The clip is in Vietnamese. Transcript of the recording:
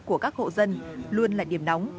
của các hộ dân luôn là điểm nóng